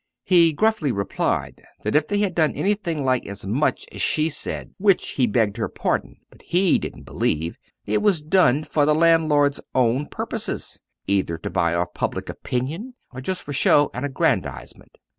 He gruffly replied that if they had done anything like as much as she said which, he begged her pardon, but he didn't believe it was done for the landlords' own purposes, either to buy off public opinion, or just for show and aggrandisement.